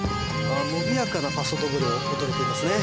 あ伸びやかなパソドブレを踊れていますね